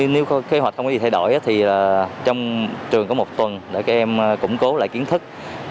nếu có kế hoạch không có gì thay đổi thì trong trường có một tuần để các em củng cố lại kiến thức